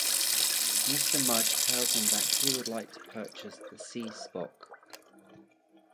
Mr. Mudge tells them that he would like to purchase the "Sea Spook".